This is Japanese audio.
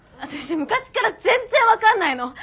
私昔から全然分かんないの！